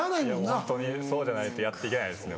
ホントにそうじゃないとやって行けないですね。